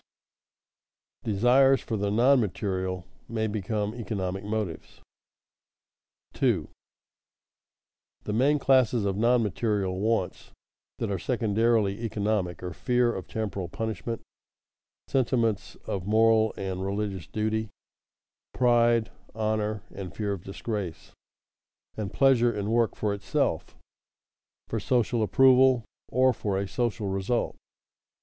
[Sidenote: Desires for the non material may become economic motives] 2. _The main classes of non material wants that are secondarily economic are fear of temporal punishment; sentiments of moral and religious duty; pride, honor, and fear of disgrace; and pleasure in work for itself, for social approval, or for a social result.